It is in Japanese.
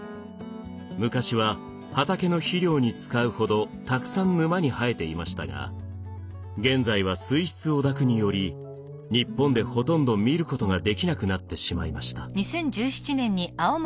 昔は畑の肥料に使うほどたくさん沼に生えていましたが現在は水質汚濁により日本でほとんど見ることができなくなってしまいました。